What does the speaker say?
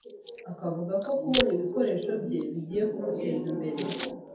akavuga ko kubona ibikoresho bye bigiye kumuteza imbere